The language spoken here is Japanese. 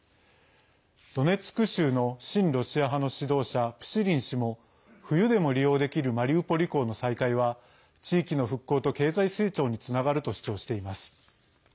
ドネツク州の親ロシア派の指導者プシリン氏も冬でも利用できるマリウポリ港の再開は地域の復興と経済成長につながると主張しています。